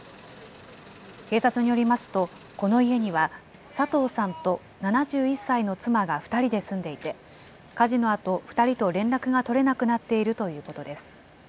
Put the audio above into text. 警察によりますと、この家には佐藤さんと７１歳の妻が２人で住んでいて、火事のあと２人と連絡が取れなくなっているということです。